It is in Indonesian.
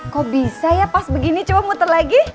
kok bisa ya pas begini coba muter lagi